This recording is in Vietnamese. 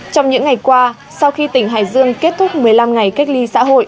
trong những ngày qua sau khi tỉnh hải dương kết thúc một mươi năm ngày cách ly xã hội